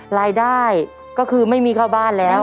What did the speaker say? รายได้ก็คือไม่มีเข้าบ้านแล้ว